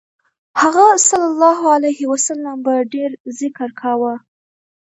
هغه ﷺ به ډېر ذکر کاوه.